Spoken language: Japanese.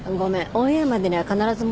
オンエアまでには必ずも。